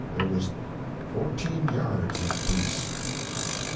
There was fourteen yards in the piece.